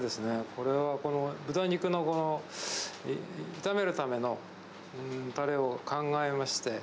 これは豚肉の炒めるためのたれを考えまして。